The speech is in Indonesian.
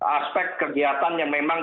aspek kegiatan yang memang